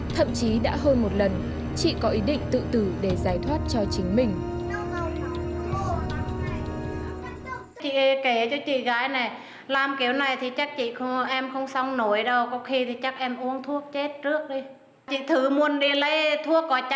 thậm chí đã hơn một lần chị có ý định tự tử để giải thoát cho chính mình